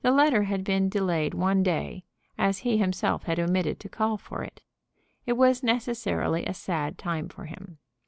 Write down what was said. The letter had been delayed one day, as he himself had omitted to call for it. It was necessarily a sad time for him.